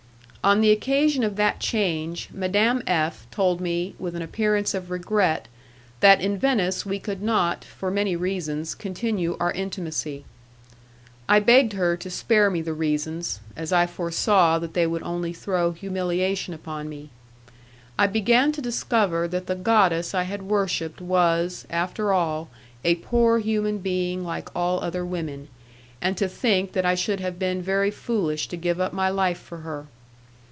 On the occasion of that change Madame F. told me, with an appearance of regret, that in Venice we could not, for many reasons, continue our intimacy. I begged her to spare me the reasons, as I foresaw that they would only throw humiliation upon me. I began to discover that the goddess I had worshipped was, after all, a poor human being like all other women, and to think that I should have been very foolish to give up my life for her.